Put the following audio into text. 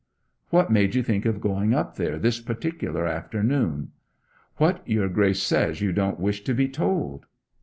'What made you think of going up there this particular afternoon?' 'What your Grace says you don't wish to be told.'